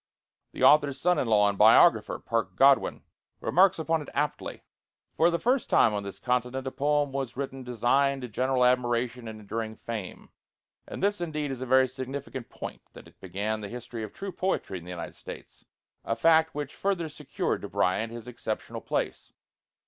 The author's son in law and biographer, Parke Godwin, remarks upon it aptly, "For the first time on this continent a poem was written destined to general admiration and enduring fame;" and this indeed is a very significant point, that it began the history of true poetry in the United States, a fact which further secured to Bryant his exceptional place.